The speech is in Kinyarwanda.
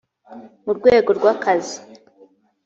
mu rwego rw akazi.